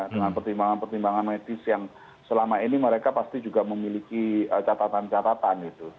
dengan pertimbangan pertimbangan medis yang selama ini mereka pasti juga memiliki catatan catatan gitu